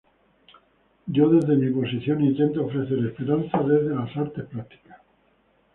Yo desde mi posición intento ofrecer esperanza desde las artes plásticas.